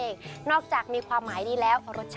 นอกจากอร่อยแล้วนะคะยังมีความหมายที่แตกต่างกันไปค่ะ